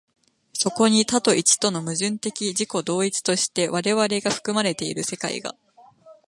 そこに多と一との矛盾的自己同一として我々が含まれている世界が、